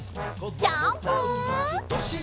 ジャンプ！